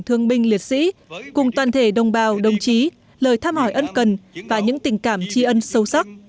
thương binh liệt sĩ cùng toàn thể đồng bào đồng chí lời thăm hỏi ân cần và những tình cảm tri ân sâu sắc